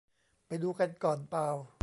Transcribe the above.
ไปดูกันก่อนป่าว